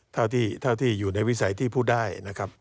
เท่าที่อยู่ในวิสัยที่พูดได้นะครับ